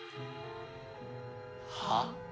はあ？